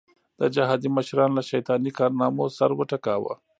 د جهادي مشرانو له شیطاني کارنامو سر وټکاوه.